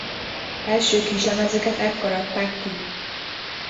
Első kislemezüket ekkor adták ki.